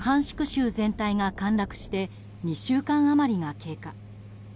州全体が陥落して２週間余りが経過。